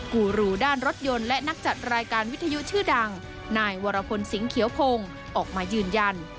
กูรูด้านรถยนต์และนักจัดรายการวิทยุชื่อดังนายวรพลสิงห์เขียวพงศ์ออกมายืนยัน